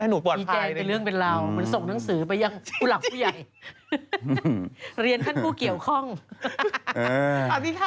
ให้หนูปกปรับภัยอี๋แกละเป็นเรื่องเป็นเรา